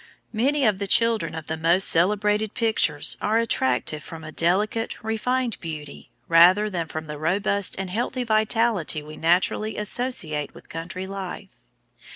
Many of the children of the most celebrated pictures are attractive from a delicate, refined beauty, rather than from the robust and healthy vitality we naturally associate with country life.